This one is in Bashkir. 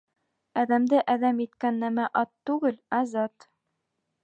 Әҙәмде әҙәм иткән нәмә ат түгел, ә зат.